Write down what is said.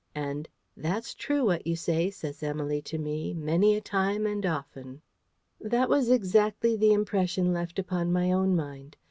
And 'That's true what you say,' says Emily to me, many a time and often." That was exactly the impression left upon my own mind.